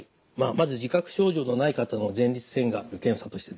まず自覚症状のない方の前立腺がんの検査としてですね